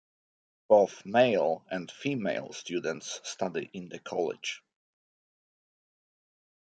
Both male and female students study in the college.